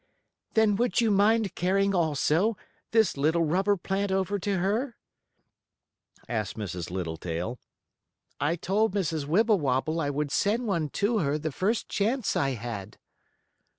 "Then would you mind carrying, also, this little rubber plant over to her?" asked Mrs. Littletail. "I told Mrs. Wibblewobble I would send one to her the first chance I had."